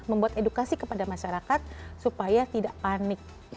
membuat edukasi kepada masyarakat supaya tidak panik